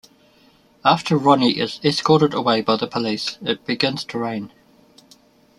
After Ronnie is escorted away by the police, it begins to rain.